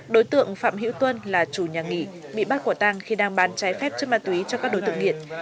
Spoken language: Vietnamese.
đối tượng phạm hữu tuân là chủ nhà nghỉ bị bắt quả tang khi đang bán trái phép chất ma túy cho các đối tượng nghiện